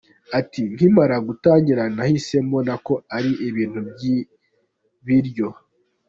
Ati « Nkimara gutangira nahise mbona ko ari ibintu by’ibiryo .